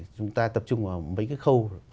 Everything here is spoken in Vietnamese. chúng ta tập trung vào mấy cái khâu